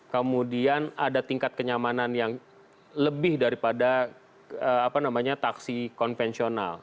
kemudian ada tingkat kenyamanan yang lebih daripada taksi konvensional